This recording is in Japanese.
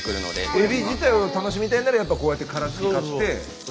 エビ自体を楽しみたいんならやっぱこうやって殻付き買って。